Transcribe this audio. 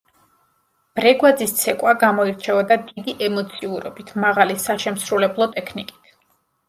ბრეგვაძის ცეკვა გამოირჩეოდა დიდი ემოციურობით, მაღალი საშემსრულებლო ტექნიკით.